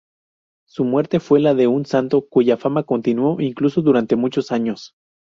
Su muerte fue la de un santo, cuya fama continuó incluso durante muchos años.